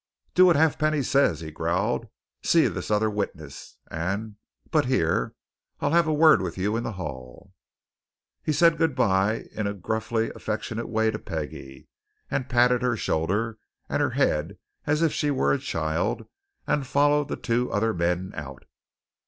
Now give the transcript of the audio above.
"Do what Halfpenny says," he growled. "See this other witness. And but here, I'll have a word with you in the hall." He said good bye in a gruffly affectionate way to Peggie, patted her shoulder and her head as if she were a child, and followed the two other men out.